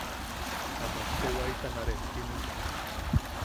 Amak te waitana rejtine.